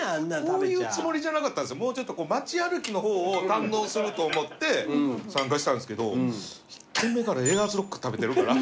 こういうつもりじゃなかったもうちょっと街歩きの方を堪能すると思って参加したんですけど１軒目からエアーズロック食べてるから。